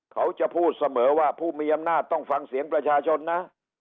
เขาจะพูดเสมอว่าผู้มีอำนาจต้องฟังเสียงประชาชนนะ